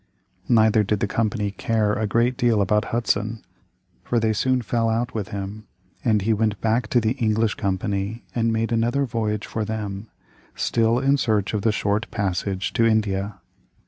Neither did the Company care a great deal about Hudson, for they soon fell out with him, and he went back to the English company and made another voyage for them, still in search of the short passage to India.